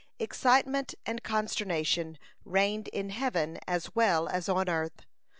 (160) Excitement and consternation reigned in heaven as well as on earth.